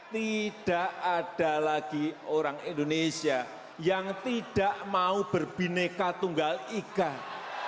tidak ada lagi orang indonesia yang tidak mau berbineka tunggal ikan